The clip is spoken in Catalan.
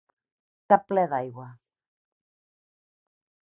Cap ple d'aigua.